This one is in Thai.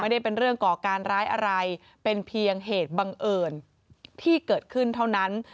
ไม่ได้เป็นเรื่องก่อการร้ายอะไรเป็นเพียงเหตุบังเอิญที่เกิดขึ้นเท่านั้น